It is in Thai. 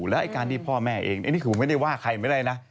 แล้วไอ้การที่พ่อแม่เองอันนี้คือไม่ได้ว่าใครไม่ได้นะ